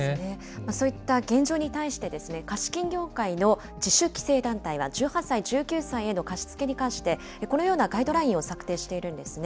そういった現状に対して、貸金業界の自主規制団体が１８歳、１９歳への貸し付けに関してこのようなガイドラインを策定しているんですね。